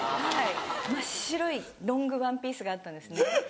真っ白いロングワンピースがあったんですね。